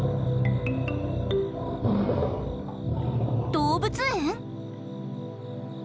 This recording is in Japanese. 動物園？